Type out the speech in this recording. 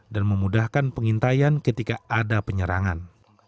dan memudahkan pengintaian ketika ada penyerangan